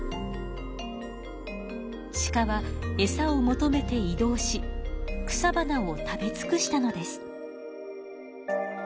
シカはエサを求めて移動し草花を食べつくしたのです。